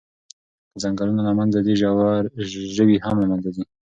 که ځنګلونه له منځه ځي، ژوي هم له منځه ځي.